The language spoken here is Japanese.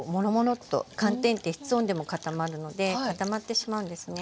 寒天って室温でも固まるので固まってしまうんですね。